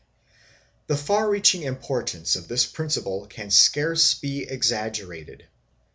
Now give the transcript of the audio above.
3 The far reaching importance of this principle can scarce be exaggerated.